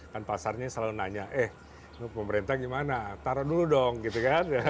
kan pasarnya selalu nanya eh pemerintah gimana taruh dulu dong gitu kan